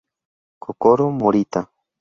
Kokoro Morita